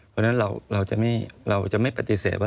เพราะฉะนั้นเราจะไม่ปฏิเสธว่า